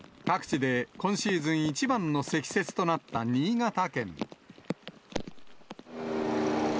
各地で今シーズン一番の積雪となった新潟県。